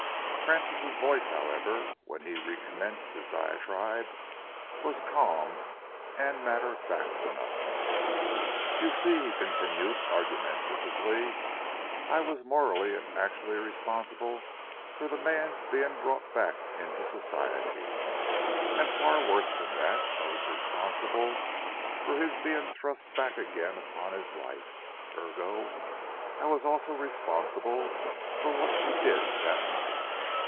Francis' voice, however, when he recommenced his diatribe, was calm and matter of fact enough. "You see," he continued, argumentatively, "I was morally and actually responsible for the man's being brought back into Society. And far worse than that, I was responsible for his being thrust back again upon his wife. Ergo, I was also responsible for what she did that night.